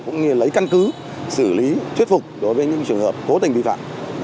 cũng như lấy căn cứ xử lý thuyết phục đối với những trường hợp cố tình vi phạm